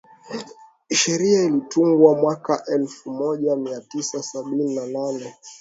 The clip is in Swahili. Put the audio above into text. sheria ilitungwa mwaka elfu moja mia tisa sabini na nane